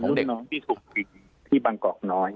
นักศึกษาเป็นรุ่นน้องที่ถูกถูกจริงที่ปางกรอกน้อย